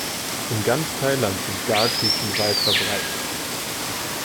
In ganz Thailand sind Garküchen weit verbreitet.